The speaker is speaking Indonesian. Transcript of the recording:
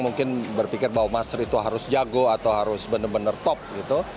mungkin berpikir bahwa masker itu harus jago atau harus benar benar top gitu